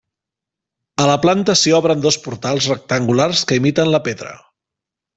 A la planta s'hi obren dos portals rectangulars que imiten la pedra.